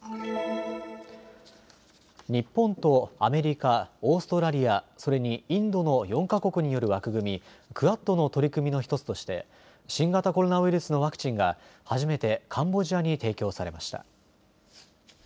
日本とアメリカ、オーストラリア、それにインドの４か国による枠組み、クアッドの取り組みの１つとして新型コロナウイルスのワクチンが初めてカンボジアに提供されました。